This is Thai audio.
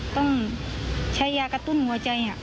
ต้องใช้ยากระตุ้นหัวใจ